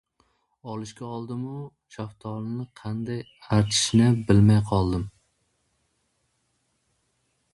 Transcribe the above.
Olishga oldim-u, shaftolini qanday archishni bilmay qoldim.